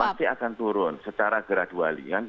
iya pasti akan turun secara gradual